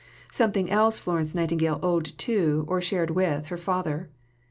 Something else Florence Nightingale owed to, or shared with, her father.